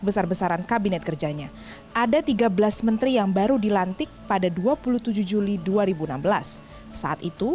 besar besaran kabinet kerjanya ada tiga belas menteri yang baru dilantik pada dua puluh tujuh juli dua ribu enam belas saat itu